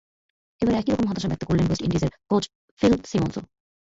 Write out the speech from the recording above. এবার একই রকম হতাশা ব্যক্ত করলেন ওয়েস্ট ইন্ডিজের কোচ ফিল সিমন্সও।